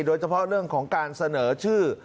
โดยเฉพาะเรื่องของการเสนอชื่อ